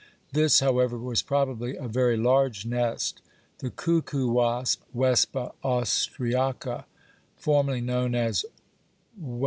This, however, was probably a very large nest. The cuckoo wasp (Vespa austriaca), formerly known as _V.